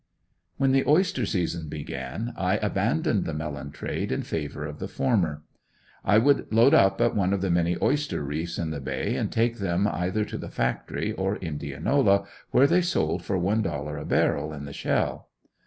When the oyster season began, I abandoned the melon trade in favor of the former. I would load up at one of the many oyster reefs in the Bay and take them either to the factory or Indianola where they sold for one dollar a barrel, in the shell.